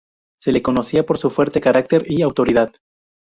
Se le conocía por su fuerte carácter y autoridad.